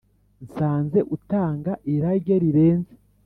Nsanze utanga irage rirenze,